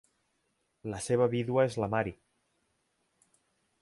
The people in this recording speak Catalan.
La seva vídua és la Mary.